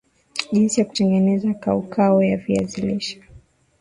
jinsi ya kutengeneza kaukau ya viazi lishe